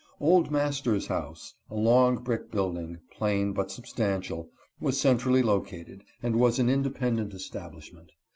Old master's house, a long brick building, plain but substantial, was centrally located, and was an independ ent establishment.